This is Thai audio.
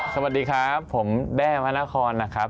สวัสดีครับผมแด้วันครนะครับ